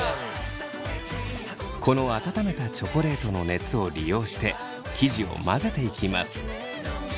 この温めたチョコレートの熱を利用して生地を混ぜていきます。